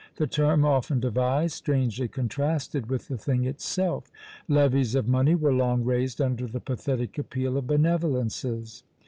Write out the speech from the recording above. The term often devised, strangely contrasted with the thing itself. Levies of money were long raised under the pathetic appeal of benevolences.